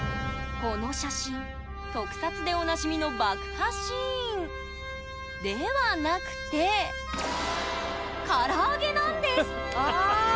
この写真特撮でおなじみの爆破シーン。ではなくて唐揚げなんです！